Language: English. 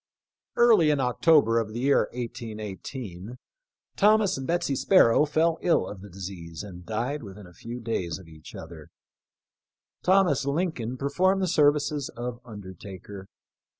Early in October of the year 18 18, Thomas and Betsy Sparrow fell ill of the disease and died with in a few days of each other. Thomas Lincoln per formed the services of undertaker.